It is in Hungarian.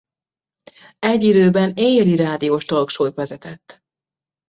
Egy időben éjjeli rádiós talkshowt vezetett.